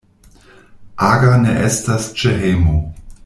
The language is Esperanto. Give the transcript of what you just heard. Aga ne estas ĉe hejmo.